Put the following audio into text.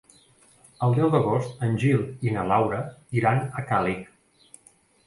El deu d'agost en Gil i na Laura iran a Càlig.